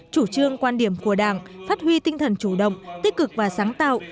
chủ trương quan điểm của đảng phát huy tinh thần chủ động tích cực và sáng tạo